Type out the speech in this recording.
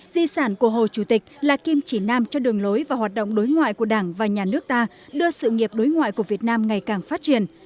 di sản của hồ chủ tịch là kim chỉ nam cho đường lối và hoạt động đối ngoại của đảng và nhà nước ta đưa sự nghiệp đối ngoại của việt nam ngày càng phát triển